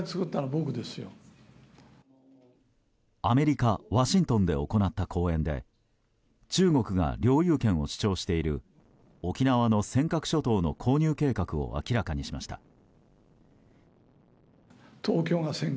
アメリカ・ワシントンで行った講演で中国が領有権を主張している沖縄の尖閣諸島の購入計画を明らかにしました。